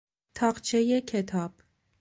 تاقچهی کتاب